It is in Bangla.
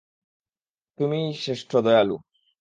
তুমিই শ্রেষ্ঠ দয়ালু।